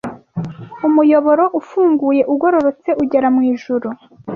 umuyoboro ufunguye ugororotse ugera mu ijuru